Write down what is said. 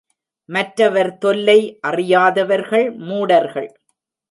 மற்றவர் தொல்லை அறியாதவர்கள் மூடர்கள்.